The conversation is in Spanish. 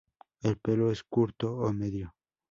El pelo es curto o medio.